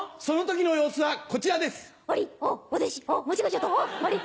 その時の様子はこちらです。